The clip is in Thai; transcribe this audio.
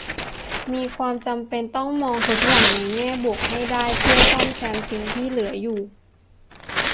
มีความจำเป็นต้องมองทุกอย่างในแง่บวกให้ได้เพื่อซ่อมแซมสิ่งที่เหลืออยู่